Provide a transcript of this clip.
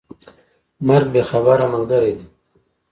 مرګ بې خبره ملګری دی.